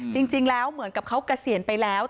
จริงแล้วเหมือนกับเขาเกษียณไปแล้ว